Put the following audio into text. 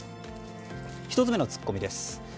１つ目のツッコミです。